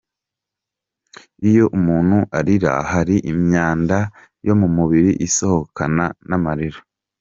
Iyo umuntu arira, hari imyanda yo mu mubiri isohokana n’amarira.